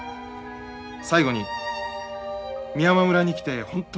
最後に美山村に来て本当によかった。